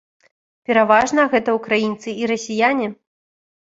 Пераважна, гэта ўкраінцы і расіяне.